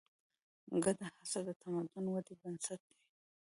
ګډه هڅه د تمدن ودې بنسټ دی.